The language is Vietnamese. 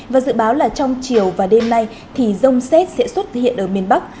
và dự báo là trong chiều và đêm nay thì rông xét sẽ xuất hiện ở miền bắc